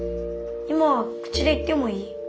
今口で言ってもいい？